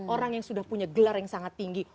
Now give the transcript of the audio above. orang yang sudah punya gelar yang sangat tinggi